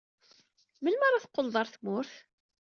Melmi ara teqqled ɣer tmurt?